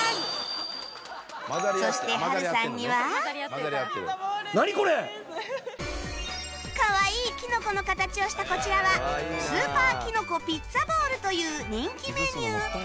そしてかわいいキノコの形をしたこちらはスーパーキノコ・ピッツァボウルという人気メニュー